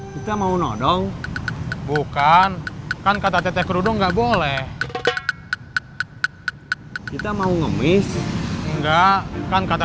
kita mau nodong bukan kan kata tete kerudung nggak boleh kita mau ngemis enggak kan kata